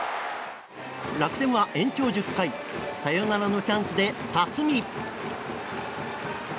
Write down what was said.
楽天は延長１０回サヨナラのチャンスで辰己。